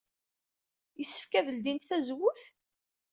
Yessefk ad ledyent tazewwut?